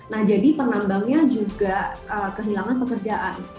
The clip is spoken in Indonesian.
nah jadi penambangnya juga kehilangan pekerjaan